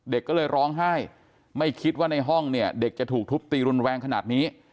เด็กก็เลยร้องไห้ไม่คิดว่าในห้องเนี่ยเด็กจะถูกทุบตีรุนแรงขนาดนี้